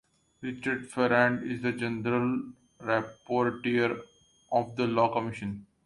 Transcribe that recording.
Richard Ferrand is the general rapporteur of the Law Commission.